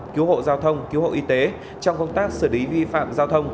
cứu hộ giao thông cứu hộ y tế trong công tác xử lý vi phạm giao thông